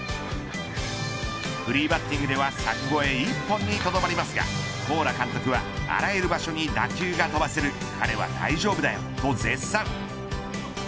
フリーバッティングでは柵越え１本にとどまりますがコーラ監督は、あらゆる場所に打球が飛ばせる彼は大丈夫だよ、と絶賛。